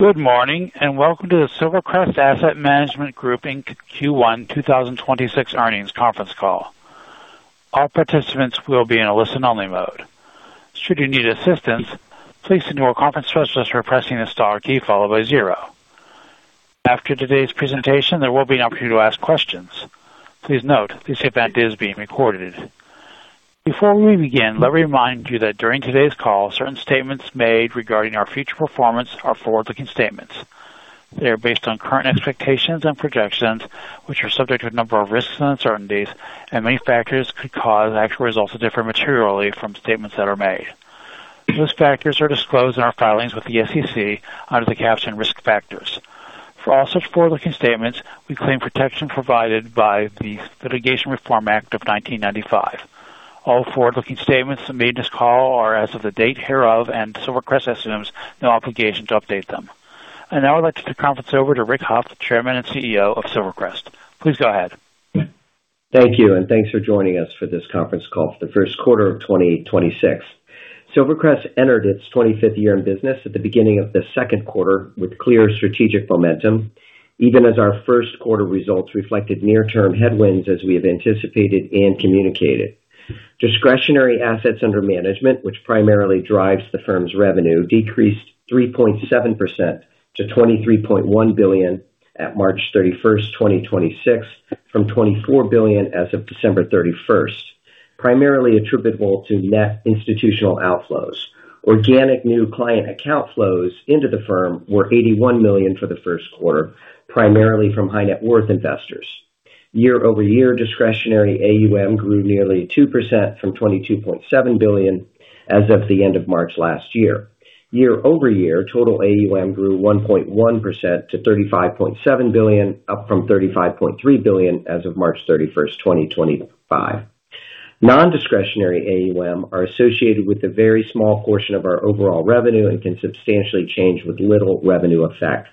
Good morning, and welcome to the Silvercrest Asset Management Group Inc. Q1 2026 earnings conference call. All participants will be in a listen-only mode. Should you need assistance, please send to our conference host by pressing the star key followed by zero. After today's presentation, there will be an opportunity to ask questions. Please note, this event is being recorded. Before we begin, let me remind you that during today's call, certain statements made regarding our future performance are forward-looking statements. They are based on current expectations and projections, which are subject to a number of risks and uncertainties, and many factors could cause actual results to differ materially from statements that are made. Those factors are disclosed in our filings with the SEC under the caption Risk Factors. For all such forward-looking statements, we claim protection provided by the Litigation Reform Act of 1995. All forward-looking statements made in this call are as of the date hereof, and Silvercrest assumes no obligation to update them. Now I'd like to turn the conference over to Rick Hough, Chairman and CEO of Silvercrest. Please go ahead. Thank you, and thanks for joining us for this conference call for the first quarter of 2026. Silvercrest entered its 25th year in business at the beginning of the second quarter with clear strategic momentum, even as our first quarter results reflected near-term headwinds as we have anticipated and communicated. Discretionary assets under management, which primarily drives the firm's revenue, decreased 3.7% to $23.1 billion at March 31st, 2026, from $24 billion as of December 31st, primarily attributable to net institutional outflows. Organic new client account flows into the firm were $81 million for the first quarter, primarily from high net worth investors. Year-over-year discretionary AUM grew nearly 2% from $22.7 billion as of the end of March last year. Year-over-year, total AUM grew 1.1% to $35.7 billion, up from $35.3 billion as of March 31st, 2025. Non-discretionary AUM are associated with a very small portion of our overall revenue and can substantially change with little revenue effect.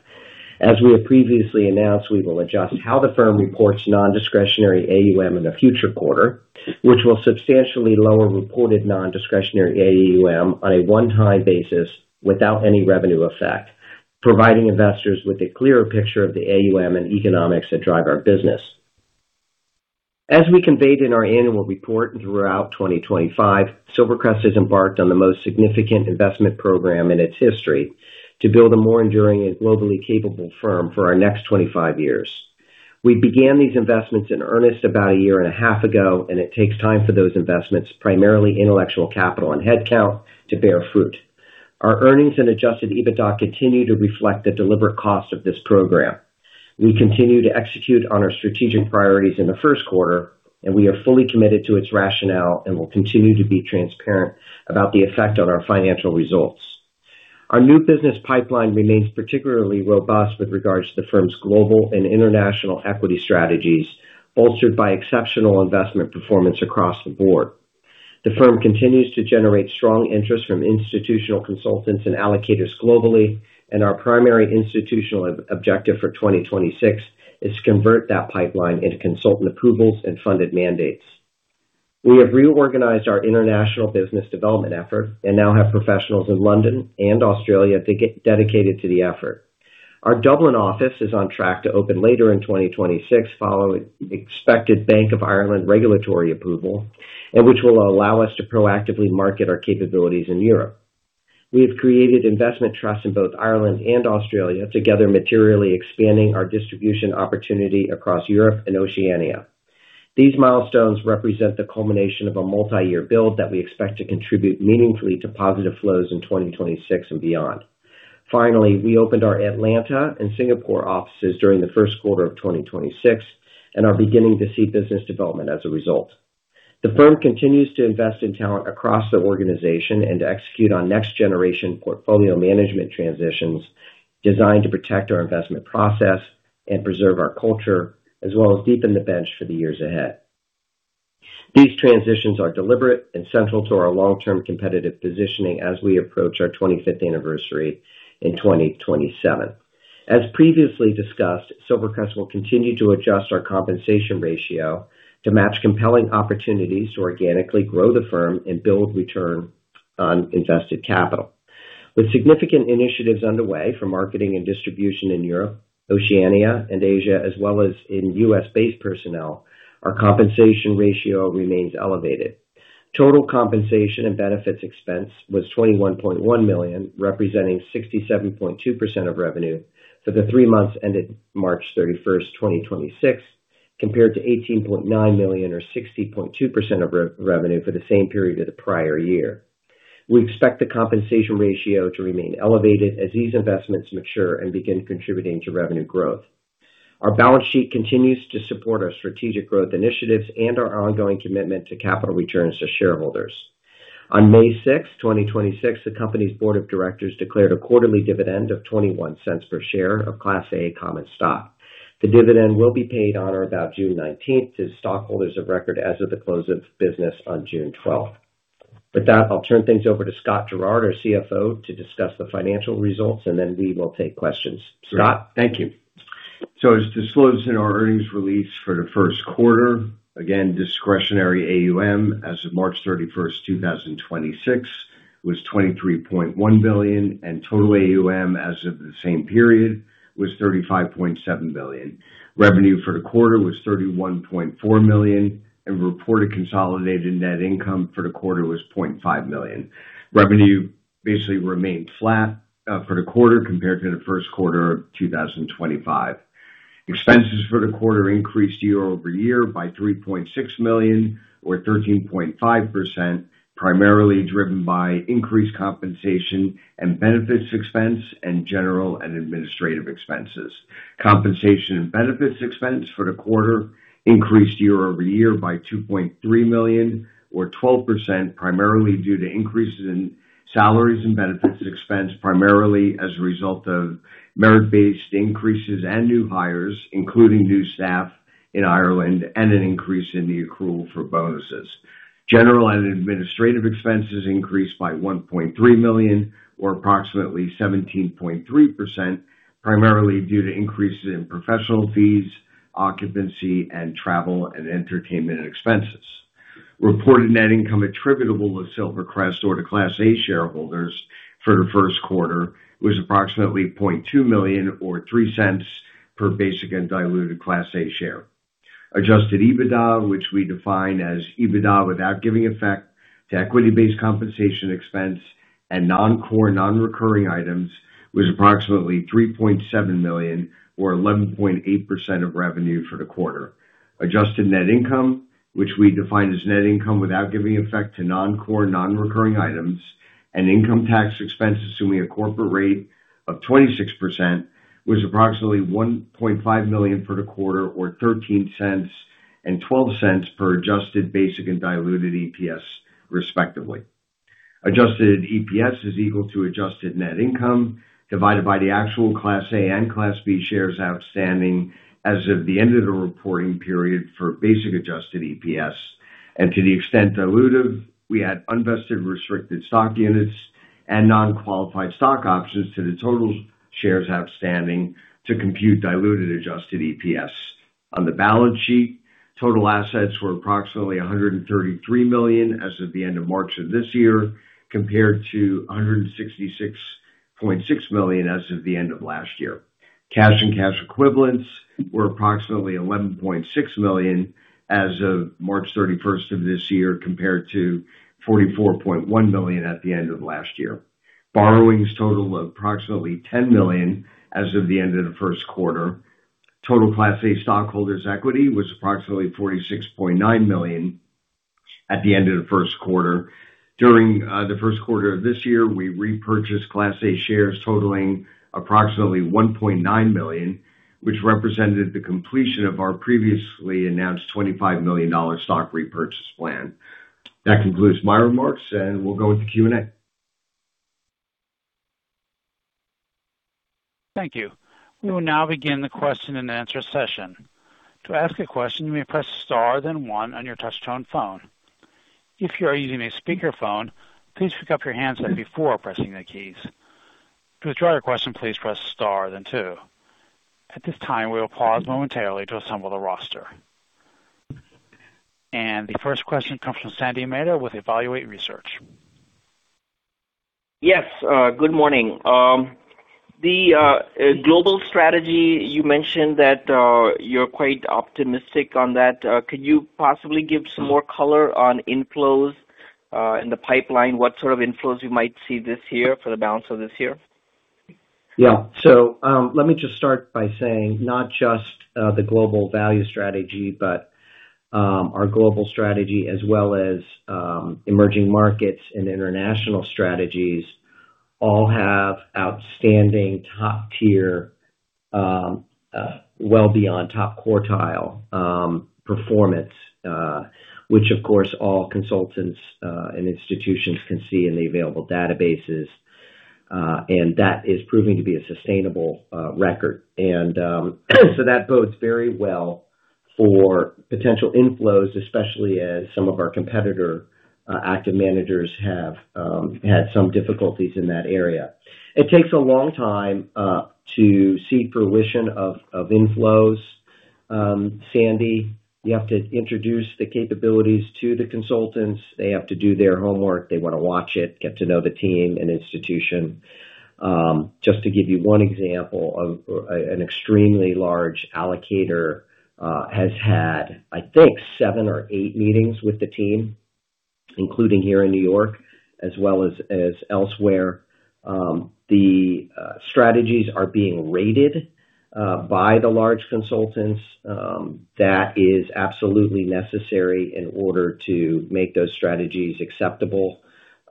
As we have previously announced, we will adjust how the firm reports non-discretionary AUM in a future quarter, which will substantially lower reported non-discretionary AUM on a one-time basis without any revenue effect, providing investors with a clearer picture of the AUM and economics that drive our business. As we conveyed in our annual report and throughout 2025, Silvercrest has embarked on the most significant investment program in its history to build a more enduring and globally capable firm for our next 25 years. We began these investments in earnest about a year and a half ago. It takes time for those investments, primarily intellectual capital and headcount, to bear fruit. Our earnings and adjusted EBITDA continue to reflect the deliberate cost of this program. We continue to execute on our strategic priorities in the first quarter. We are fully committed to its rationale and will continue to be transparent about the effect on our financial results. Our new business pipeline remains particularly robust with regards to the firm's global and international equity strategies, bolstered by exceptional investment performance across the board. The firm continues to generate strong interest from institutional consultants and allocators globally. Our primary institutional objective for 2026 is convert that pipeline into consultant approvals and funded mandates. We have reorganized our international business development effort and now have professionals in London and Australia to get dedicated to the effort. Our Dublin office is on track to open later in 2026 following the expected Bank of Ireland regulatory approval, which will allow us to proactively market our capabilities in Europe. We have created investment trusts in both Ireland and Australia, together materially expanding our distribution opportunity across Europe and Oceania. These milestones represent the culmination of a multi-year build that we expect to contribute meaningfully to positive flows in 2026 and beyond. Finally, we opened our Atlanta and Singapore offices during the first quarter of 2026 and are beginning to see business development as a result. The firm continues to invest in talent across the organization and to execute on next generation portfolio management transitions designed to protect our investment process and preserve our culture as well as deepen the bench for the years ahead. These transitions are deliberate and central to our long-term competitive positioning as we approach our 25th anniversary in 2027. As previously discussed, Silvercrest will continue to adjust our compensation ratio to match compelling opportunities to organically grow the firm and build return on invested capital. With significant initiatives underway for marketing and distribution in Europe, Oceania, and Asia, as well as in U.S.-based personnel, our compensation ratio remains elevated. Total compensation and benefits expense was $21.1 million, representing 67.2% of revenue for the three months ended March 31st, 2026, compared to $18.9 million or 60.2% of revenue for the same period of the prior year. We expect the compensation ratio to remain elevated as these investments mature and begin contributing to revenue growth. Our balance sheet continues to support our strategic growth initiatives and our ongoing commitment to capital returns to shareholders. On May 6th, 2026, the company's board of directors declared a quarterly dividend of $0.21 per share of Class A common stock. The dividend will be paid on or about June 19th to stockholders of record as of the close of business on June 12th. With that, I will turn things over to Scott Gerard, our CFO, to discuss the financial results, and then we will take questions. Scott? Thank you. As disclosed in our earnings release for the first quarter, again, discretionary AUM as of March 31st, 2026 was $23.1 billion, and total AUM as of the same period was $35.7 billion. Revenue for the quarter was $31.4 million, and reported consolidated net income for the quarter was $0.5 million. Revenue basically remained flat for the quarter compared to the first quarter of 2025. Expenses for the quarter increased year-over-year by $3.6 million or 13.5%, primarily driven by increased compensation and benefits expense and general and administrative expenses. Compensation and benefits expense for the quarter increased year-over-year by $2.3 million or 12%, primarily due to increases in salaries and benefits expense, primarily as a result of merit-based increases and new hires, including new staff in Ireland and an increase in the accrual for bonuses. General and administrative expenses increased by $1.3 million or approximately 17.3%, primarily due to increases in professional fees, occupancy, and travel and entertainment expenses. Reported net income attributable to Silvercrest or to Class A shareholders for the first quarter was approximately $0.2 million or $0.03 per basic and diluted Class A share. Adjusted EBITDA, which we define as EBITDA without giving effect to equity-based compensation expense and non-core, non-recurring items, was approximately $3.7 million or 11.8% of revenue for the quarter. Adjusted net income, which we define as net income without giving effect to non-core, non-recurring items and income tax expense assuming a corporate rate of 26%, was approximately $1.5 million for the quarter or $0.13 and $0.12 per adjusted basic and diluted EPS, respectively. Adjusted EPS is equal to adjusted net income divided by the actual Class A and Class B shares outstanding as of the end of the reporting period for basic adjusted EPS. To the extent dilutive, we add unvested restricted stock units and non-qualified stock options to the total shares outstanding to compute diluted adjusted EPS. On the balance sheet, total assets were approximately $133 million as of the end of March of this year, compared to $166.6 million as of the end of last year. Cash and cash equivalents were approximately $11.6 million as of March 31st of this year, compared to $44.1 million at the end of last year. Borrowings total of approximately $10 million as of the end of the first quarter. Total Class A stockholders' equity was approximately $46.9 million at the end of the first quarter. During the first quarter of this year, we repurchased Class A shares totaling approximately $1.9 million, which represented the completion of our previously announced $25 million stock repurchase plan. That concludes my remarks, and we'll go with the Q&A. Thank you. We will now begin the question-and-answer session. To ask a question, you may press star then one on your touchtone phone. If you are using a speakerphone, please pick up your handset before pressing the keys. To withdraw your question, please press star then two. At this time, we will pause momentarily to assemble the roster. The first question comes from Sandy Mehta with Evaluate Research. Yes, good morning. The global strategy, you mentioned that you're quite optimistic on that. Could you possibly give some more color on inflows in the pipeline? What sort of inflows you might see this year for the balance of this year? Yeah. Let me just start by saying not just the Global Value strategy, but our global strategy as well as emerging markets and international strategies all have outstanding top-tier, well beyond top quartile performance, which of course, all consultants and institutions can see in the available databases. That is proving to be a sustainable record. That bodes very well for potential inflows, especially as some of our competitor active managers have had some difficulties in that area. It takes a long time to see fruition of inflows, Sandy. You have to introduce the capabilities to the consultants. They have to do their homework. They wanna watch it, get to know the team and institution. Just to give you one example of an extremely large allocator has had, I think, seven or eight meetings with the team, including here in New York as well as elsewhere. The strategies are being rated by the large consultants. That is absolutely necessary in order to make those strategies acceptable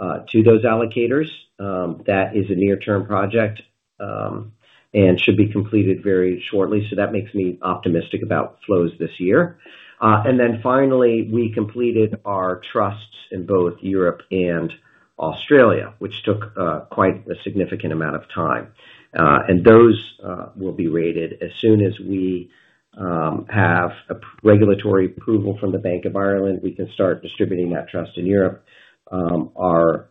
to those allocators. That is a near-term project and should be completed very shortly. That makes me optimistic about flows this year. Finally, we completed our trusts in both Europe and Australia, which took quite a significant amount of time. Those will be rated as soon as we have regulatory approval from the Bank of Ireland. We can start distributing that trust in Europe. Our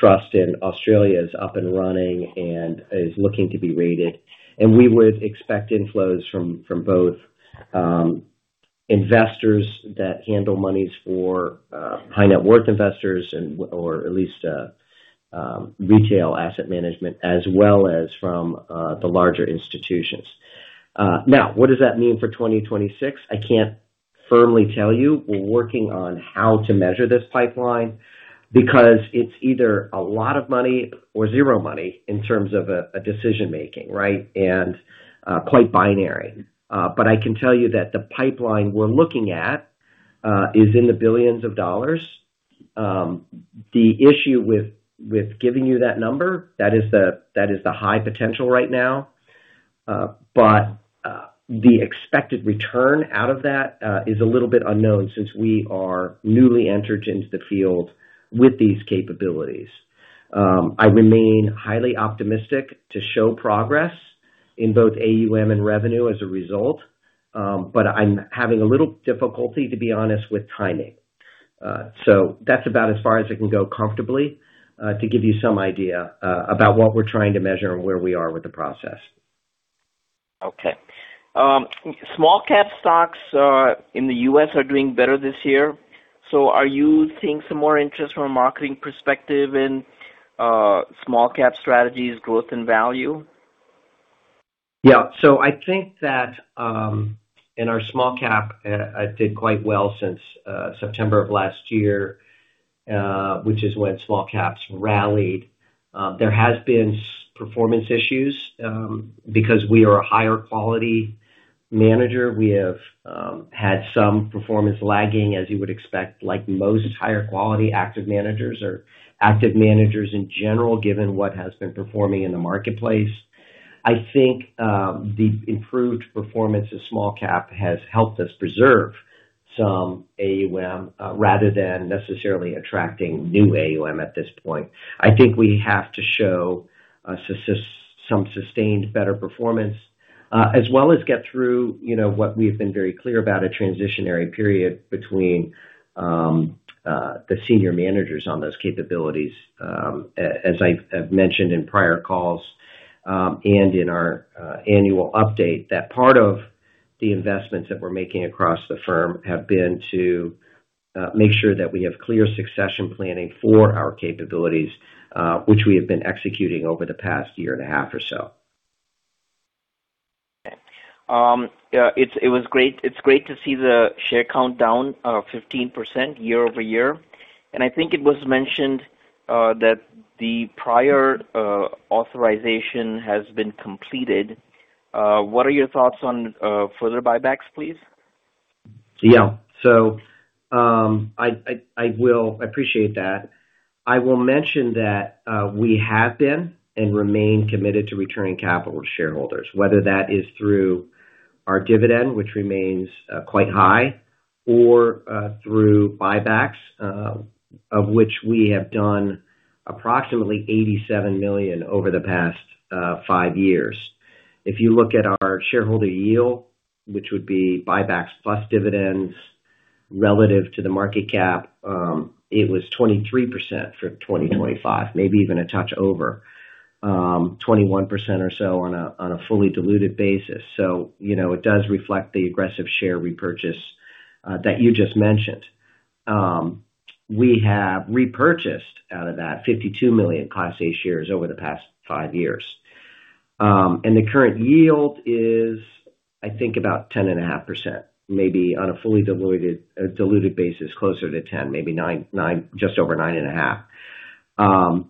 trust in Australia is up and running and is looking to be rated. We would expect inflows from both investors that handle monies for high net-worth investors and or at least retail asset management as well as from the larger institutions. Now, what does that mean for 2026? I can't firmly tell you. We're working on how to measure this pipeline because it's either a lot of money or zero money in terms of a decision-making, right? Quite binary. But I can tell you that the pipeline we're looking at is in the billions of dollars. The issue with giving you that number, that is the high potential right now. The expected return out of that is a little bit unknown since we are newly entered into the field with these capabilities. I remain highly optimistic to show progress in both AUM and revenue as a result. I'm having a little difficulty, to be honest, with timing. That's about as far as I can go comfortably, to give you some idea about what we're trying to measure and where we are with the process. Okay. Small-cap stocks, in the U.S. are doing better this year. Are you seeing some more interest from a marketing perspective in small-cap strategies, growth, and value? I think that, in our small-cap, it did quite well since September of last year, which is when small-caps rallied. There has been performance issues because we are a higher quality manager. We have had some performance lagging, as you would expect, like most higher quality active managers or active managers in general, given what has been performing in the marketplace. I think the improved performance of small-cap has helped us preserve some AUM rather than necessarily attracting new AUM at this point. I think we have to show some sustained better performance as well as get through, you know, what we've been very clear about a transitionary period between the senior managers on those capabilities. As I have mentioned in prior calls, and in our annual update, that part of the investments that we're making across the firm have been to make sure that we have clear succession planning for our capabilities, which we have been executing over the past year and a half or so. Okay. Yeah, It's great to see the share count down, 15% year-over-year. I think it was mentioned that the prior authorization has been completed. What are your thoughts on further buybacks, please? Yeah. I appreciate that. I will mention that we have been and remain committed to returning capital to shareholders, whether that is through our dividend, which remains quite high, or through buybacks, of which we have done approximately $87 million over the past five years. If you look at our shareholder yield, which would be buybacks plus dividends relative to the market cap, it was 23% for 2025, maybe even a touch over 21% or so on a fully diluted basis. You know, it does reflect the aggressive share repurchase that you just mentioned. We have repurchased out of that 52 million Class A shares over the past five years. The current yield is, I think, about 10.5%, maybe on a fully diluted basis, closer to 10%, maybe just over 9.5%.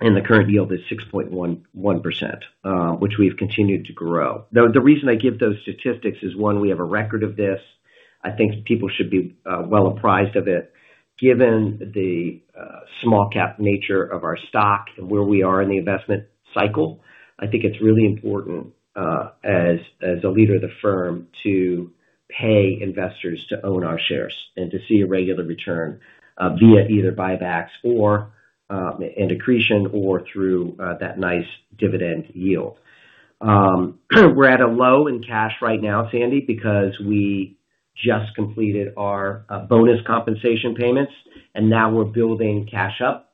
The current yield is 6.11%, which we've continued to grow. Now, the reason I give those statistics is, one, we have a record of this. I think people should be well apprised of it. Given the small-cap nature of our stock and where we are in the investment cycle, I think it's really important as a leader of the firm to pay investors to own our shares and to see a regular return via either buybacks or and accretion or through that nice dividend yield. We're at a low in cash right now, Sandy, because we just completed our bonus compensation payments. Now we're building cash up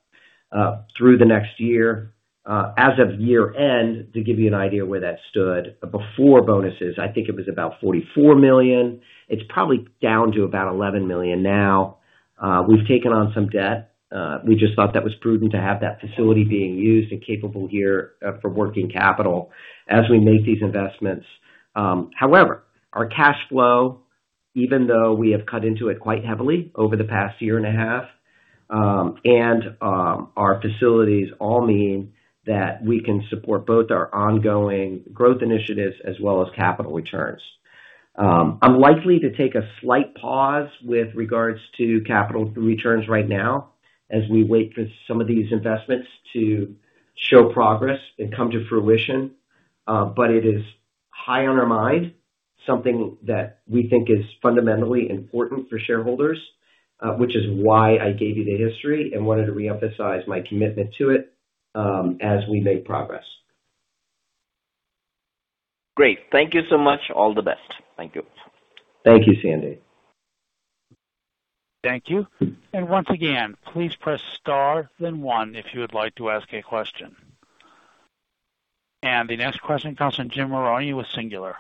through the next year. As of year-end, to give you an idea where that stood before bonuses, I think it was about $44 million. It's probably down to about $11 million now. We've taken on some debt. We just thought that was prudent to have that facility being used and capable here for working capital as we make these investments. However, our cash flow, even though we have cut into it quite heavily over the past year and a half, and our facilities all mean that we can support both our ongoing growth initiatives as well as capital returns. I'm likely to take a slight pause with regards to capital returns right now as we wait for some of these investments to show progress and come to fruition. It is high on our mind, something that we think is fundamentally important for shareholders, which is why I gave you the history and wanted to reemphasize my commitment to it as we make progress. Great. Thank you so much. All the best. Thank you. Thank you, Sandy. Thank you. Once again, please press star then one if you would like to ask a question. The next question comes from Jim Marrone with Singular.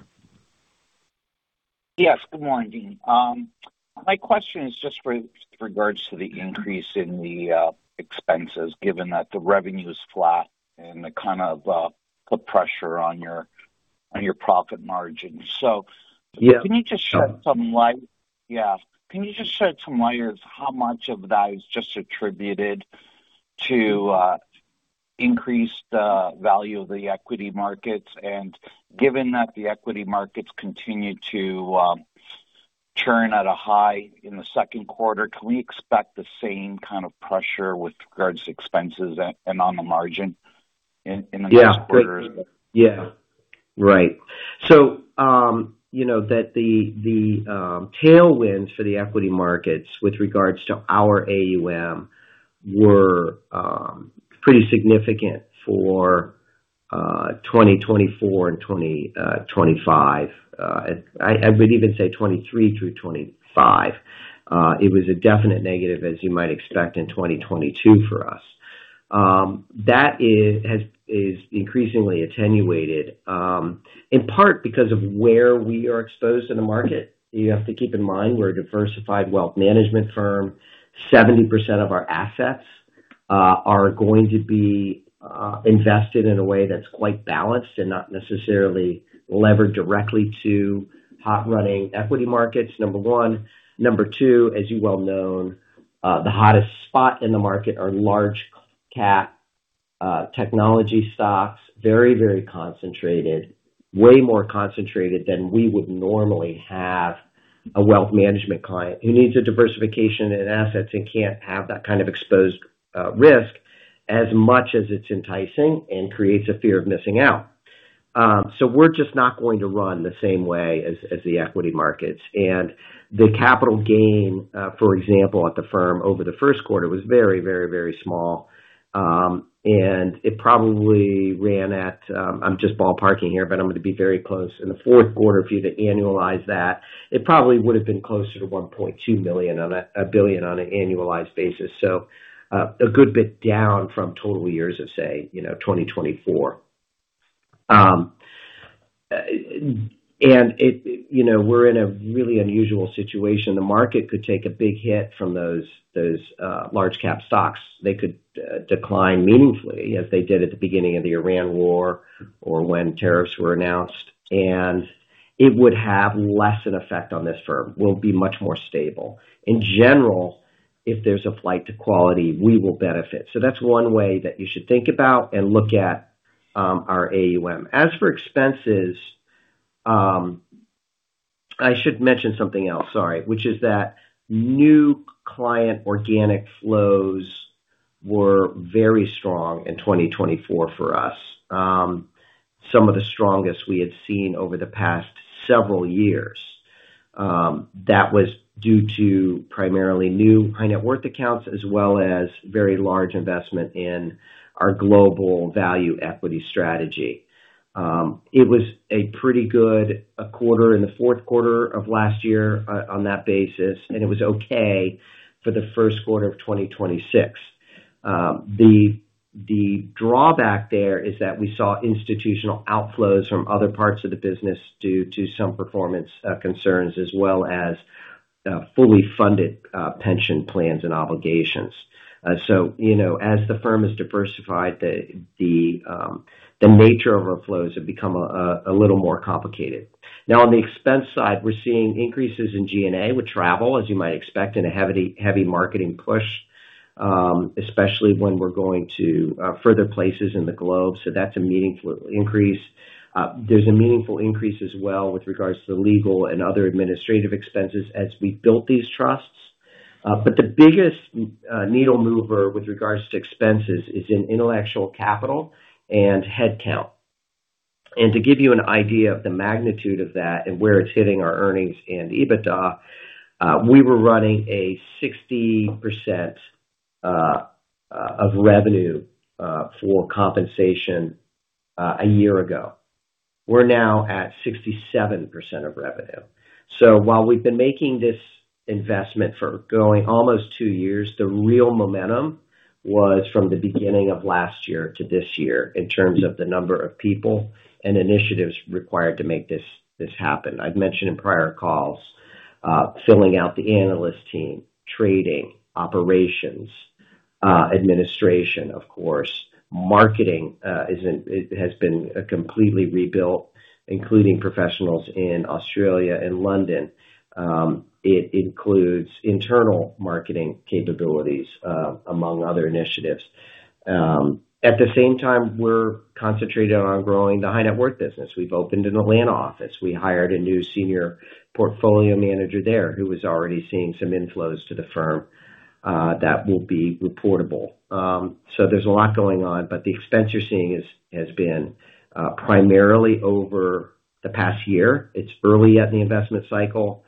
Yes, good morning. My question is just with regards to the increase in the expenses given that the revenue is flat and the kind of put pressure on your profit margin. Yeah. Can you just shed some light as how much of that is just attributed to increase the value of the equity markets? Given that the equity markets continue to churn at a high in the second quarter, can we expect the same kind of pressure with regards to expenses and on the margin in the next quarters? Yeah. Great. Yeah. Right. You know, that the tailwinds for the equity markets with regards to our AUM were pretty significant for 2024 and 2025. I would even say 2023 through 2025. It was a definite negative, as you might expect in 2022 for us. That is increasingly attenuated in part because of where we are exposed in the market. You have to keep in mind, we're a diversified wealth management firm. 70% of our assets are going to be invested in a way that's quite balanced and not necessarily levered directly to hot running equity markets, number one. Number two, as you well know, the hottest spot in the market are large cap technology stocks. Very concentrated. Way more concentrated than we would normally have a wealth management client who needs a diversification in assets and can't have that kind of exposed risk as much as it's enticing and creates a fear of missing out. We're just not going to run the same way as the equity markets. The capital gain, for example, at the firm over the first quarter was very small. It probably ran at, I'm just ballparking here, but I'm gonna be very close. In the fourth quarter, if you annualize that, it probably would have been closer to $1.2 million on a $1 billion on an annualized basis. A good bit down from total years of say, you know, 2024. It, you know, we're in a really unusual situation. The market could take a big hit from those large cap stocks. They could decline meaningfully as they did at the beginning of the Iran war or when tariffs were announced. It would have less an effect on this firm. We'll be much more stable. In general, if there's a flight to quality, we will benefit. That's one way that you should think about and look at our AUM. As for expenses, I should mention something else, sorry, which is that new client organic flows were very strong in 2024 for us. Some of the strongest we had seen over the past several years. That was due to primarily new high net-worth accounts, as well as very large investment in our Global Value Equity strategy. It was a pretty good quarter in the fourth quarter of last year on that basis, and it was okay for the first quarter of 2026. The drawback there is that we saw institutional outflows from other parts of the business due to some performance concerns, as well as fully funded pension plans and obligations. You know, as the firm has diversified, the nature of our flows have become a little more complicated. Now, on the expense side, we're seeing increases in G&A with travel, as you might expect, and a heavy marketing push, especially when we're going to further places in the globe. That's a meaningful increase. There's a meaningful increase as well with regards to legal and other administrative expenses as we built these trusts. The biggest needle mover with regards to expenses is in intellectual capital and headcount. To give you an idea of the magnitude of that and where it's hitting our earnings and EBITDA, we were running a 60% of revenue for compensation a year ago. We're now at 67% of revenue. While we've been making this investment for going almost two years, the real momentum was from the beginning of last year to this year in terms of the number of people and initiatives required to make this happen. I've mentioned in prior calls, filling out the analyst team, trading, operations, administration, of course. Marketing has been completely rebuilt, including professionals in Australia and London. It includes internal marketing capabilities among other initiatives. At the same time, we're concentrated on growing the high net-worth business. We've opened an Atlanta office. We hired a new senior portfolio manager there who is already seeing some inflows to the firm that will be reportable. There's a lot going on, but the expense you're seeing has been primarily over the past year. It's early at the investment cycle.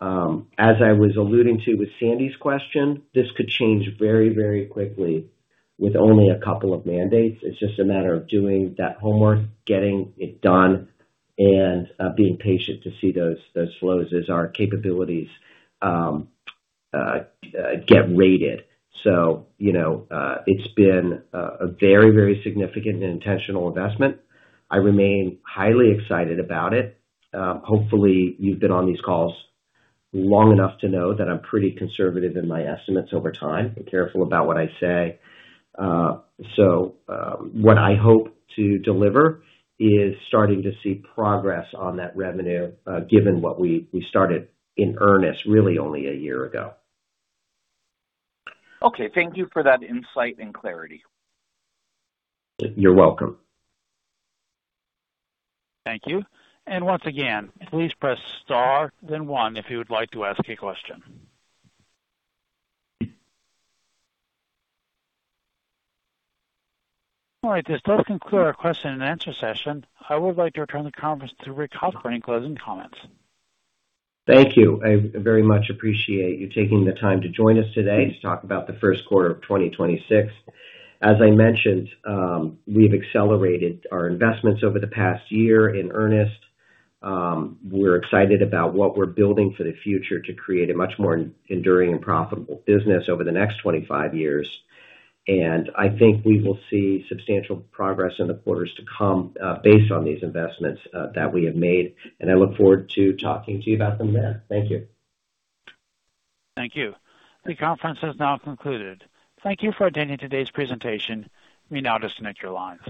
As I was alluding to with Sandy's question, this could change very, very quickly with only a couple of mandates. It's just a matter of doing that homework, getting it done, and being patient to see those flows as our capabilities get rated. You know, it's been a very, very significant and intentional investment. I remain highly excited about it. Hopefully, you've been on these calls long enough to know that I'm pretty conservative in my estimates over time and careful about what I say. What I hope to deliver is starting to see progress on that revenue, given what we started in earnest really only one year ago. Okay. Thank you for that insight and clarity. You're welcome. Thank you. Once again, please press star then one if you would like to ask a question. All right. This does conclude our question and answer session. I would like to return the conference to Rick Hough for any closing comments. Thank you. I very much appreciate you taking the time to join us today to talk about the first quarter of 2026. As I mentioned, we've accelerated our investments over the past year in earnest. We're excited about what we're building for the future to create a much more enduring and profitable business over the next 25 years. I think we will see substantial progress in the quarters to come, based on these investments that we have made. I look forward to talking to you about them then. Thank you. Thank you. The conference has now concluded. Thank you for attending today's presentation. You may now disconnect your lines.